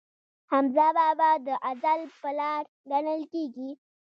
حمزه بابا د غزل پلار ګڼل کیږي.